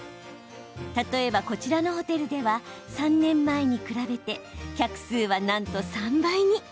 例えば、こちらのホテルでは３年前に比べて客数はなんと３倍に。